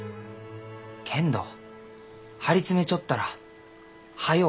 けんど張り詰めちょったら速う